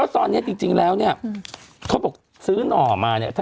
ตอนนี้จริงแล้วเขาบอกซื้อหน่อมา